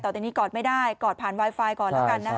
แต่ตอนนี้กอดไม่ได้กอดผ่านไวไฟก่อนแล้วกันนะคะ